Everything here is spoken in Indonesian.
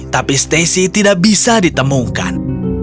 tapi stacy tidak bisa ditemukan